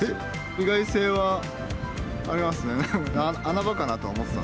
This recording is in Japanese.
意外性はありますね。